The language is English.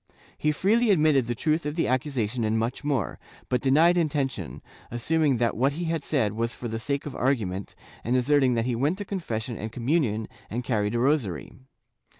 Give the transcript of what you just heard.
He freely admitted the truth of the accusation and much more, but denied intention, assuming that what he had said was for the sake of argument, and asserting that he went to confession and communion and carried a rosary.